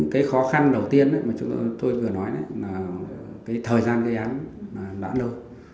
cái khó khăn đầu tiên mà tôi vừa nói là thời gian gây án đã lâu